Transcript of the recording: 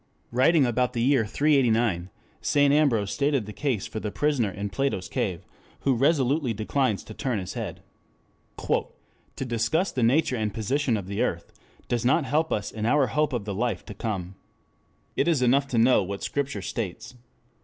Writing about the year 389, St. Ambrose stated the case for the prisoner in Plato's cave who resolutely declines to turn his head. "To discuss the nature and position of the earth does not help us in our hope of the life to come. It is enough to know what Scripture states.